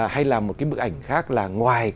hay là một bức ảnh khác là ngoài